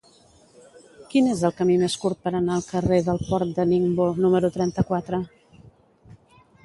Quin és el camí més curt per anar al carrer del Port de Ningbo número trenta-quatre?